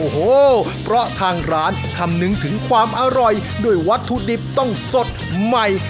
โอ้โหเพราะทางร้านคำนึงถึงความอร่อยด้วยวัตถุดิบต้องสดใหม่